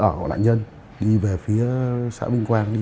ở nạn nhân đi về phía xã minh quang đi